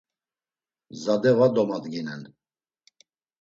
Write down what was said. Zade va domadginen.